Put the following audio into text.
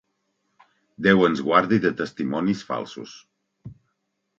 Déu ens guardi de testimonis falsos.